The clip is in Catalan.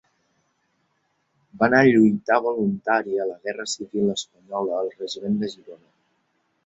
Va anar a lluitar voluntari a la guerra civil espanyola al Regiment de Girona.